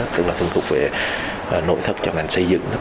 cũng là phân khúc về nội thất cho ngành xây dựng